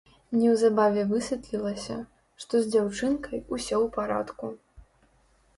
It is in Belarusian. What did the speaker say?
Неўзабаве высветлілася, што з дзяўчынкай усё ў парадку.